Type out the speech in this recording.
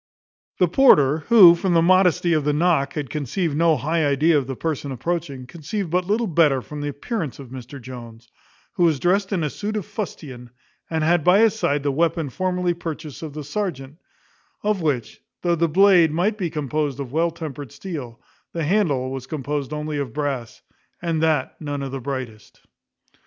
The porter, who, from the modesty of the knock, had conceived no high idea of the person approaching, conceived but little better from the appearance of Mr Jones, who was drest in a suit of fustian, and had by his side the weapon formerly purchased of the serjeant; of which, though the blade might be composed of well tempered steel, the handle was composed only of brass, and that none of the brightest.